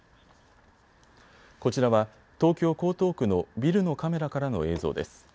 こちらは東京江東区のビルのカメラからの映像です。